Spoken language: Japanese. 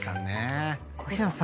小日向さん